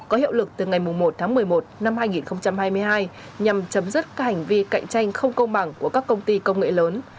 có hiệu lực từ ngày một tháng một mươi một năm hai nghìn hai mươi hai nhằm chấm dứt các hành vi cạnh tranh không công bằng của các công ty công nghệ lớn